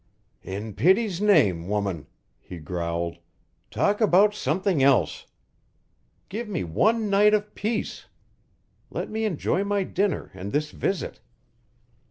"In pity's name, woman," he growled, "talk about something else. Give me one night of peace. Let me enjoy my dinner and this visit."